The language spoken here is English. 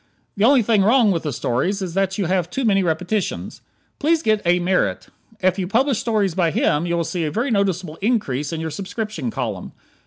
The only thing wrong with the stories is that you have too many repetitions. Please get A. Merritt. If you publish stories by him you will see a very noticeable increase in your subscription column.